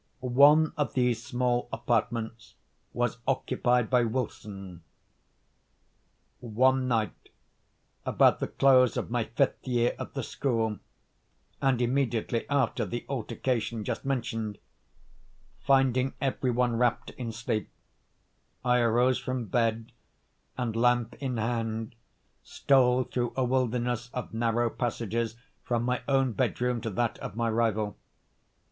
One of these small apartments was occupied by Wilson. One night, about the close of my fifth year at the school, and immediately after the altercation just mentioned, finding every one wrapped in sleep, I arose from bed, and, lamp in hand, stole through a wilderness of narrow passages from my own bedroom to that of my rival.